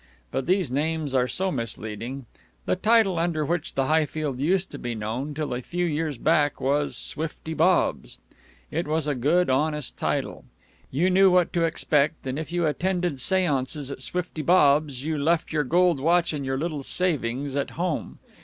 But these names are so misleading! The title under which the Highfield used to be known till a few years back was "Swifty Bob's." It was a good, honest title. You knew what to export, and if you attended seances at Swifty Bob's you left your gold watch and your little savings at home.